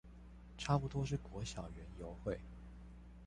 差不多是國小園遊會